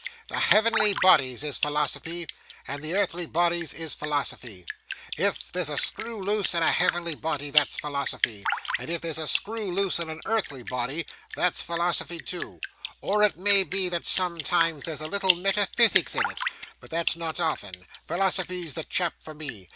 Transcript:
The heavenly bodies is philosophy, and the earthly bodies is philosophy. If there's a screw loose in a heavenly body, that's philosophy; and if there's screw loose in a earthly body, that's philosophy too; or it may be that sometimes there's a little metaphysics in it, but that's not often. Philosophy's the chap for me.